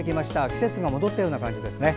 季節が戻ったような感じですね。